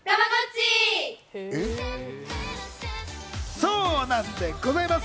そうなんでございます。